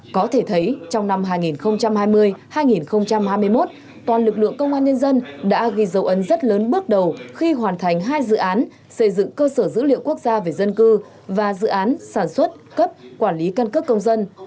có thể thấy trong năm hai nghìn hai mươi hai nghìn hai mươi một toàn lực lượng công an nhân dân đã ghi dấu ấn rất lớn bước đầu khi hoàn thành hai dự án xây dựng cơ sở dữ liệu quốc gia về dân cư và dự án sản xuất cấp quản lý căn cước công dân